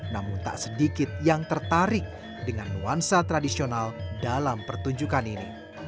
namun tak sedikit yang tertarik dengan nuansa tradisional dalam pertunjukan ini